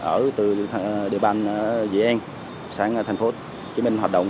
ở từ địa bàn dị an sang thành phố chí minh hoạt động